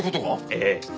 ええ。